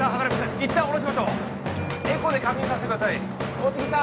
一旦おろしましょうエコーで確認させてください大杉さん